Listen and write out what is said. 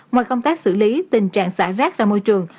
ngoài công tác xử lý tình trạng xả rác ra môi trường